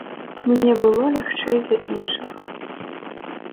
Мне было лягчэй за іншых.